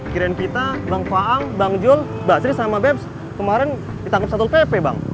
kirain kita bang faang bang jul basri sama beps kemarin ditangkap satu pp bang